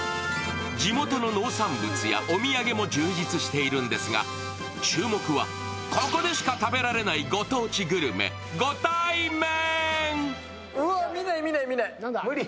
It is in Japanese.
地元の農産物やお土産も充実しているんですが、注目は、ここでしか食べられないご当地グルメ、ご対面！